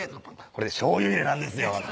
「これしょうゆ入れなんですよ」